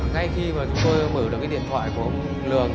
ngay khi mà chúng tôi mở được cái điện thoại của ông đường